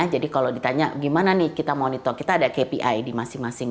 jadi kalau ditanya gimana nih kita monitor kita ada kpi di masing masing